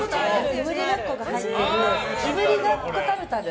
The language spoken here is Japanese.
いぶりがっこが入ってるいぶりがっこタルタル。